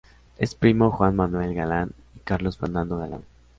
Es primo Juan Manuel Galán y Carlos Fernando Galán.